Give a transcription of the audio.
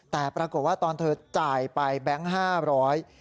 แต่ปรากฏว่าตอนเธอจ่ายไปแบงค์๕๐๐บาท